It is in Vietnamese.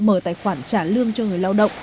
mở tài khoản trả lương cho người lao động